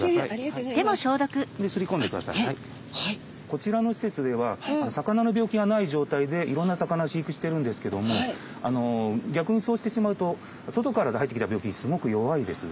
こちらの施設では魚の病気がない状態でいろんな魚を飼育してるんですけども逆にそうしてしまうと外から入ってきた病気にすごく弱いです。